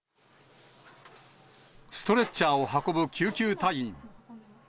ストレッチャーを運ぶ救急隊員。